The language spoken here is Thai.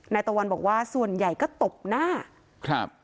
ตะวันบอกว่าส่วนใหญ่ก็ตบหน้าครับ